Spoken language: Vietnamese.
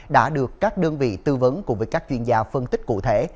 đã được các đơn vị tư vấn cùng với các chuyên gia phân tích cụ thể